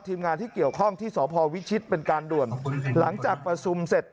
ทีมงานที่เกี่ยวข้องที่สพวิชิตเป็นการด่วนหลังจากประชุมเสร็จ